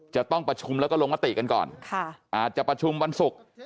จะต้องประชุมแล้วก็ลงมติกันก่อนอาจจะประชุมวันศุกร์